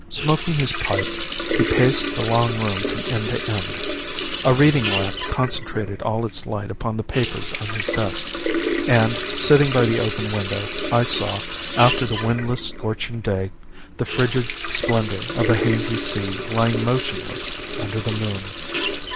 Smoking his pipe, he paced the long room from end to end. A reading lamp concentrated all its light upon the papers on his desk; and, sitting by the open window, I saw, after the windless, scorching day, the frigid splendour of a hazy sea lying motionless under the moon.